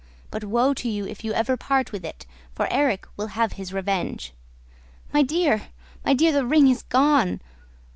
But woe to you if you ever part with it, for Erik will have his revenge!' ... My dear, my dear, the ring is gone!